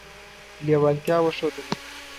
لېوالتیا وښودله.